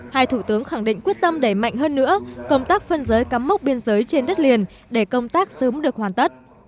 hai thủ tướng khẳng định quyết tâm đẩy mạnh hơn nữa công tác phân giới cắm mốc biên giới trên đất liền để công tác sớm được hoàn tất